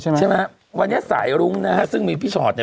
ใช่ไหมวันนี้สายรุ้งนะฮะซึ่งมีพี่ชอตเนี่ย